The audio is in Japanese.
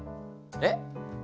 えっ？